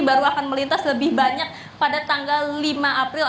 baru akan melintas lebih banyak pada tanggal lima april